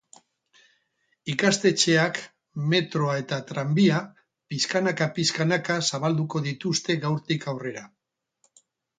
Ikastetxeak, metroa eta tranbia pixkanaka-pixkanaka zabalduko dituzte gaurtik aurrera.